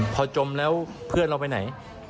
พอจมแล้วเพื่อนเราไปไหน